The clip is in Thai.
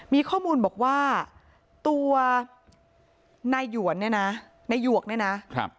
มีข้อมูลบอกว่าตัวนายหยวนเนี่ยนะนายหวกเนี่ยนะครับ